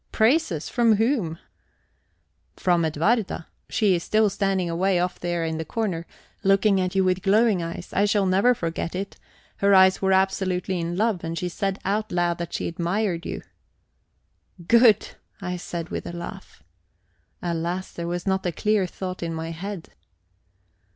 "Praises! From whom?" "From Edwarda. She is still standing away off there in the corner, looking at you with glowing eyes. I shall never forget it; her eyes were absolutely in love, and she said out loud that she admired you." "Good," I said with a laugh. Alas, there was not a clear thought in my head.